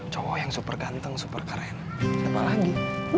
cowok yang super ganteng super keren apa lagi